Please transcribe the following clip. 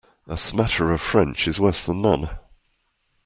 A smatter of French is worse than none.